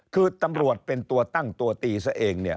คือตำรวจเป็นตัวตั้งตัวตีซะเองเนี่ย